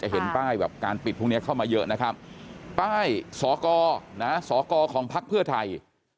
เห็นป้ายแบบการปิดพวกนี้เข้ามาเยอะนะครับป้ายสกนะสกของพักเพื่อไทย